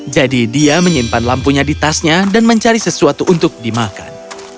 jadi dia menyimpan lampunya di tasnya dan mencari sesuatu untuk dimakan